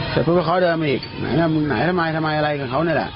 แต่พวกเขาเดินไปอีกไหนทำไมทำไมอะไรกับเขาเนี่ยแหละ